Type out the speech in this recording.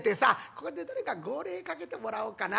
ここで誰か号令かけてもらおうかな。